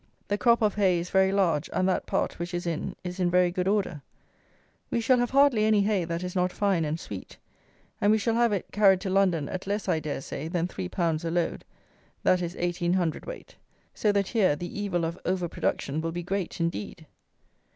The crop of hay is very large, and that part which is in, is in very good order. We shall have hardly any hay that is not fine and sweet; and we shall have it, carried to London, at less, I dare say, than 3_l._ a load, that is 18 cwt. So that here the evil of "over production" will be great indeed!